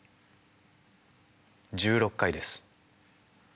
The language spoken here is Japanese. １６回です。